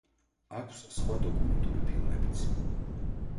აქვს სხვა დოკუმენტური ფილმებიც.